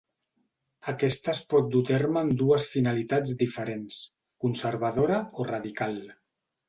Aquesta es pot dur a terme amb dues finalitats diferents: conservadora o radical.